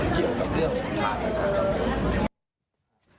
เกี่ยวกับเรื่องขาดของนักเรียน